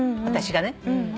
私がね。